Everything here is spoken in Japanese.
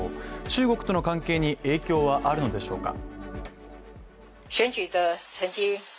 中国との関係に影響はあるのでしょうか？